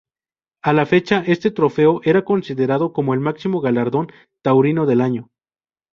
A la fecha, este trofeo era considerado como el máximo galardón taurino del año.